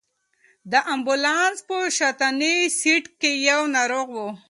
د امبولانس په شاتني سېټ کې یو ناروغ و.